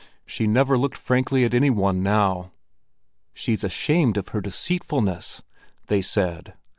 She never looked frankly at any one now. "She's ashamed of her deceitfulness!" they said.